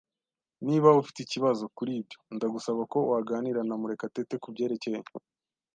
Niba ufite ikibazo kuri ibyo, ndagusaba ko waganira na Murekatete kubyerekeye.